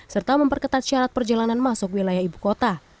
serta memperketat syarat perjalanan masuk wilayah ibu kota